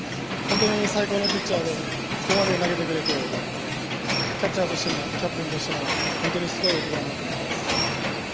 最高のピッチャーでここまで投げてくれてキャッチャーとしてもキャプテンとしてもすごい男だなと思っています。